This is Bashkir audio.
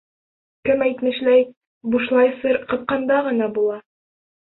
Кем әйтмешләй, бушлай сыр ҡапҡанда ғына була.